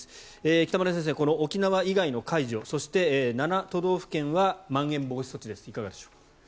北村先生、この沖縄以外の解除そして７都道府県はまん延防止措置ですいかがでしょう。